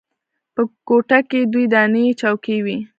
په کوټه کښې دوې دانې چوکۍ وې.